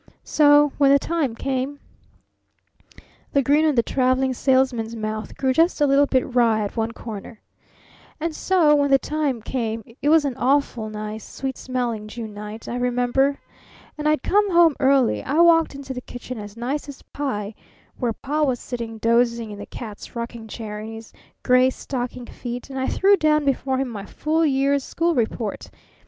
So when the time came " the grin on the Traveling Salesman's mouth grew just a little bit wry at one corner "and so when the time came it was an awful nice, sweet smelling June night, I remember, and I'd come home early I walked into the kitchen as nice as pie, where Pa was sitting dozing in the cat's rocking chair, in his gray stocking feet, and I threw down before him my full year's school report.